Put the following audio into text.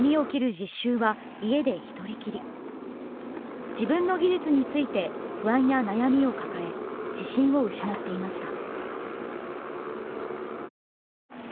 自分の技術について不安や悩みを抱え、自信を失っていました。